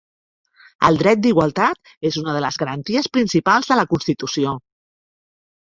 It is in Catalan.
El dret d'igualtat és una de les garanties principals de la Constitució.